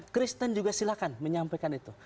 kristen juga silahkan menyampaikan itu